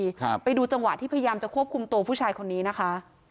ครับไปดูจังหวะที่พยายามจะควบคุมตัวผู้ชายคนนี้นะคะ